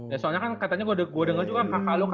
ya soalnya kan katanya gua denger juga kakak lu kan